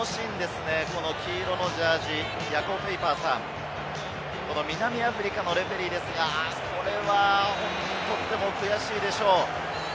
黄色のジャージー、ヤコ・ペイパーさん、南アフリカのレフェリーですが、これは本人にとっても悔しいでしょう。